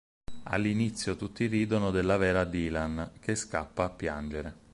All'inizio tutti ridono della vera Dylan, che scappa a piangere.